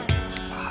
ああ